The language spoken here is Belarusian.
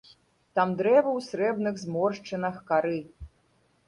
Там дрэвы ў срэбных зморшчынах кары.